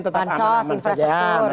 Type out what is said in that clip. tetap aman aman saja